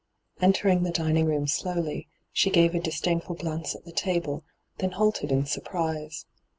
Entering the dining room slowly, she gave a disdainful glance at the table, then halted in surprise.